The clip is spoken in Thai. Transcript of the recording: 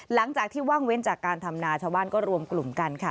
หลังจากที่ว่างเว้นจากการทำนาชาวบ้านก็รวมกลุ่มกันค่ะ